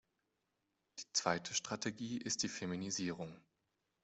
Die zweite Strategie ist die Feminisierung.